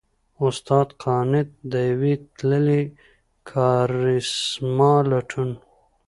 استاد قانت؛ د يوې تللې کارېسما لټون!